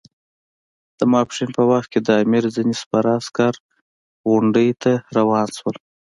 د ماپښین په وخت کې د امیر ځینې سپاره عسکر غونډۍ ته روان شول.